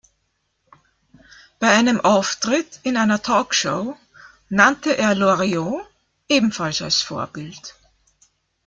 Bei einem Auftritt in einer Talkshow nannte er Loriot ebenfalls als Vorbild.